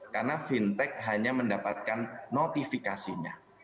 karena fintech hanya mendapatkan notifikasinya